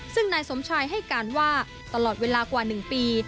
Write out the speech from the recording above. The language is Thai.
ซึ่งนายสมชายให้การว่าตลอดเวลากว่า๑ปี